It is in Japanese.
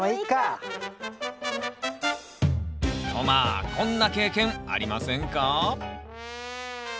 まあこんな経験ありませんか？